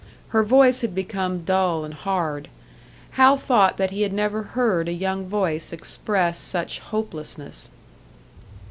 Her voice had become dull and hard Hal thought that he had never heard a young voice express such hopelessness.